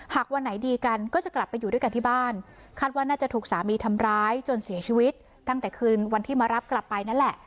วันไหนดีกันก็จะกลับไปอยู่ด้วยกันที่บ้านคาดว่าน่าจะถูกสามีทำร้ายจนเสียชีวิตตั้งแต่คืนวันที่มารับกลับไปนั่นแหละ